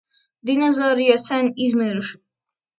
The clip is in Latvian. Dinozauri jau sen izmiruši